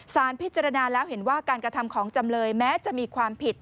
สารพิจารณาแล้วเห็นว่าการกระทำของจำเลยแม้จะมีความผิด